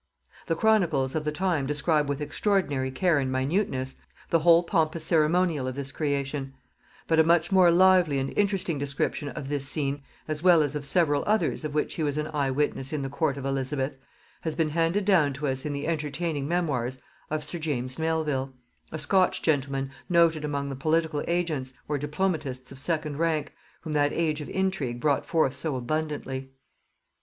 The chronicles of the time describe with extraordinary care and minuteness the whole pompous ceremonial of this creation; but a much more lively and interesting description of this scene, as well as of several others of which he was an eye witness in the court of Elizabeth, has been handed down to us in the entertaining memoirs of sir James Melvil; a Scotch gentleman noted among the political agents, or diplomatists of second rank, whom that age of intrigue brought forth so abundantly.